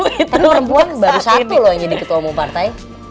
karena perempuan baru satu loh yang jadi ketua umum partai